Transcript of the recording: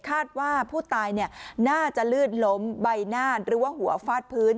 คาดว่าผู้ตายน่าจะลื่นล้มใบหน้าหรือว่าหัวฟาดพื้น